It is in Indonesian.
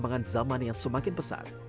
perkembangan zaman yang semakin pesat